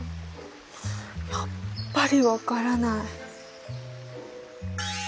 やっぱり分からない。